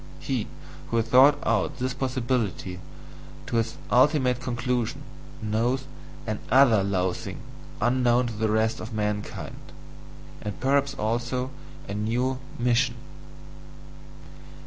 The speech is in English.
He who has thought out this possibility to its ultimate conclusion knows ANOTHER loathing unknown to the rest of mankind and perhaps also a new MISSION!